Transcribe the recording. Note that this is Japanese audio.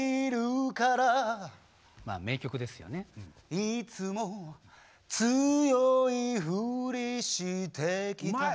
「いつも強いフリして来た」